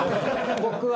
僕は。